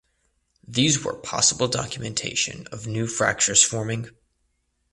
These were possible documentation of new fractures forming.